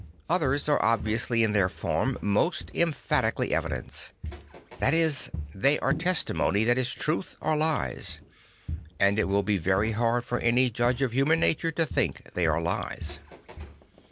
Others are obviously in their form most emphatically evidence; that is they are testi mony that is truth or lies; and it will be very hard for any judge of human nature to think they are lies.